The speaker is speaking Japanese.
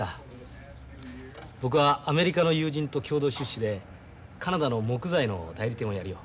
僕はアメリカの友人と共同出資でカナダの木材の代理店をやるよ。